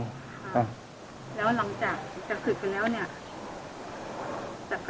ค่ะแล้วหลังจากจะศึกไปแล้วเนี่ย